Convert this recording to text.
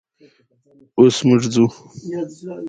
اوبزین معدنونه د افغانستان د جغرافیې بېلګه ده.